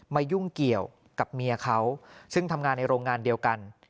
ยุ่งเกี่ยวกับเมียเขาซึ่งทำงานในโรงงานเดียวกัน